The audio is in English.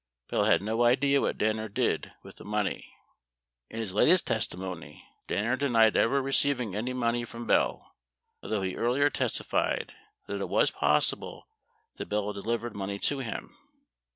Bell had no idea what Danner did with the money. In his latest testimony, Danner denied ever receiving any money from Bell, 63 although he earlier testified that it was possible that Bell delivered money to him.